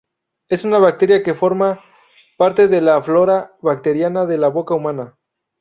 Es una bacteria que forma parte de la flora bacteriana de la boca humana.